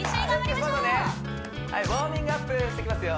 まずはねウォーミングアップしていきますよ